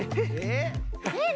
えっ？